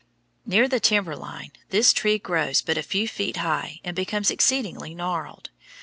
Near the timber line this tree grows but a few feet high and becomes exceedingly gnarled.